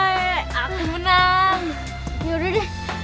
ya udah deh